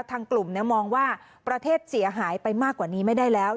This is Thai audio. ทางกลุ่มมองว่าประเทศเสียหายไปมากกว่านี้ไม่ได้แล้ว